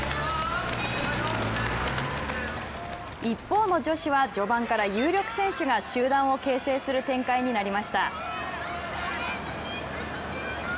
一方の女子は序盤から有力選手が集団を形成する展開になりました。